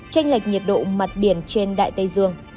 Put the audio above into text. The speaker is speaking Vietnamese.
tranh lệch nhiệt độ mặt biển trên đại tây dương